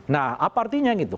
nah apa artinya gitu